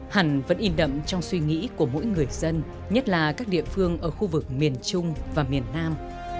hẳn vẫn in đậm trong suy nghĩ của mỗi người dân nhất là các địa phương ở khu vực miền trung và miền nam